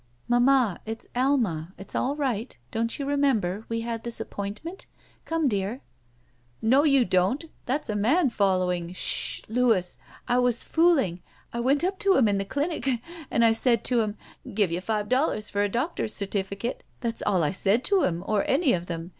*' "Mamma, it's Alma. It's all right. Don't you remember, we had this appointment? Come, dear." "No, you don't! That's a man following. Shh h h h, Louis! I was fooling. I went up to him in the clinic" "and I said to him, 'Give you five dollars for a doctor's certificate.' That's all I said to him, or any of them.